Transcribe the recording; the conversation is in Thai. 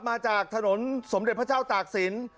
มาจากนบสำเด็จพระเจ้าตากสิน